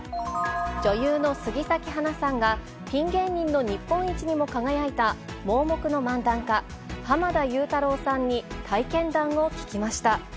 女優の杉咲花さんが、ピン芸人の日本一にも輝いた盲目の漫談家、濱田祐太郎さんに体験